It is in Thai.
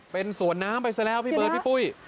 เป็นสวนน้ำไปซะแล้วพี่เบิร์ดพี่ปุ้ย